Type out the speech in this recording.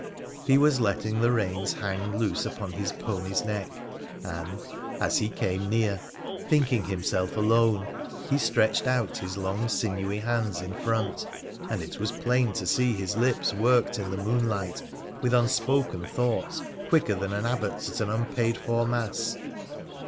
He was letting the reins hang loose upon his pony's neck, and, as he came near, thinking himself alone, he stretched out his long sinewy hands in front ; and it was plain to see his lips worked in the moonlight with unspoken thoughts quicker than an abbot's at unpaid for mass.